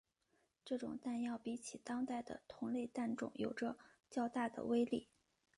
这种弹药比起当代的同类弹种有着较大的威力。